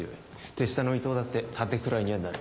手下の伊藤だって盾くらいにはなる。